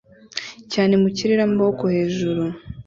cyane mu kirere amaboko hejuru